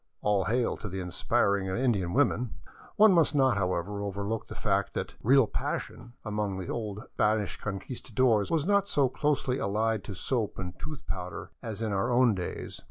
All hail to the inspiring Indian women ! One must not, however, overlook the fact that " real passion " among the old Spanish Conquistadores was not so closely allied to soap and tooth powder as in our own days.